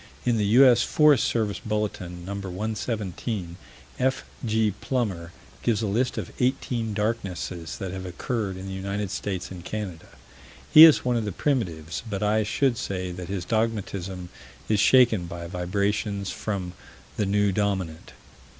In the U.S. Forest Service Bulletin, No. 117, F.G. Plummer gives a list of eighteen darknesses that have occurred in the United States and Canada. He is one of the primitives, but I should say that his dogmatism is shaken by vibrations from the new Dominant.